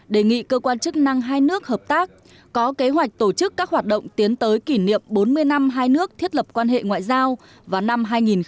đề nghị cơ quan chức năng hai nước hợp tác có kế hoạch tổ chức các hoạt động tiến tới kỷ niệm bốn mươi năm hai nước thiết lập quan hệ ngoại giao vào năm hai nghìn hai mươi